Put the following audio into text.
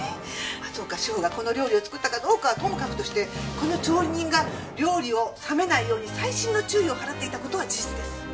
松岡志保がこの料理を作ったかどうかはともかくとしてこの調理人が料理を冷めないように細心の注意を払っていた事は事実です。